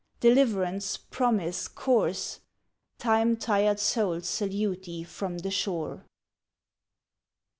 deliverance, promise, course! Time tired souls salute thee from the shore.